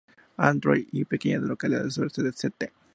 Andrew y una pequeña localidad del sureste de St.